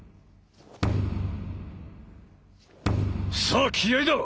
さあ気合いだ！